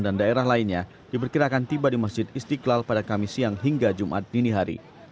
dan daerah lainnya diperkirakan tiba di masjid istiqlal pada kamis siang hingga jumat dini hari